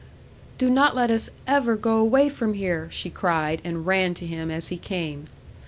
"Do not let us ever go away from here!" she cried, and ran to him as he came.